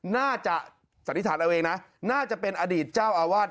สันนิษฐานเอาเองนะน่าจะเป็นอดีตเจ้าอาวาส